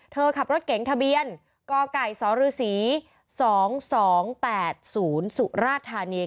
เธอขับรถเก๋งทะเบียนกกศฤ๒๒๘๐สุราชธานี